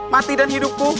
mati dan hidupku